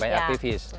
ya banyak aktivis